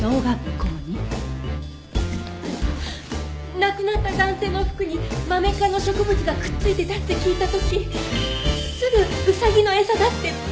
亡くなった男性の服にマメ科の植物がくっ付いてたって聞いた時すぐウサギの餌だってピンときたんですって。